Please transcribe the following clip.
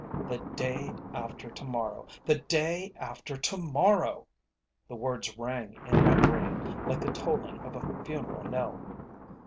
"The day after to morrow! The day after to morrow!" The words rang in my brain like the tolling of a funeral knell.